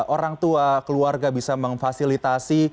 orang tua keluarga bisa memfasilitasi